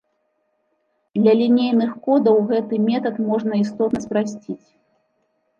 Для лінейных кодаў гэты метад можна істотна спрасціць.